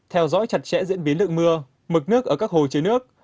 theo dõi chặt chẽ diễn biến lượng mưa mực nước ở các hồ chứa nước